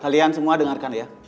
kalian semua dengarkan ya